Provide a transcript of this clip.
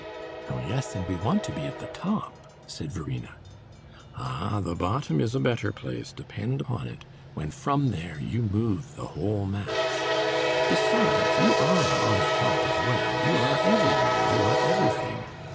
"Oh yes, and we want to be at the top," said Verena. "Ah, the bottom is a better place, depend on it, when from there you move the whole mass! Besides, you are on the top as well; you are everywhere, you are everything.